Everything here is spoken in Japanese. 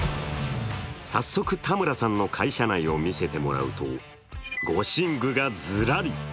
早速、田村さんの会社内を見せてもらうと護身具がずらり。